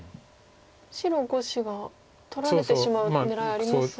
白５子が取られてしまう狙いありますが。